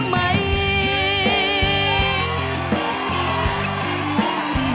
มากี่คน